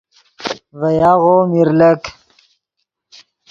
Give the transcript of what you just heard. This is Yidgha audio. ڤے یاغو میر لک